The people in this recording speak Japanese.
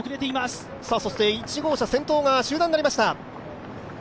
１号車、先頭が集団になりました。